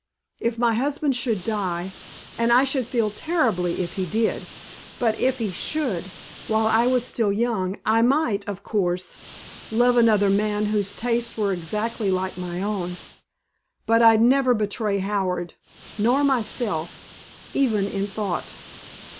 If my husband should die and I should feel terribly if he did but if he should, while I was still young, I might, of course, love another man whose tastes were exactly like my own. But I'd never betray Howard nor myself even in thought."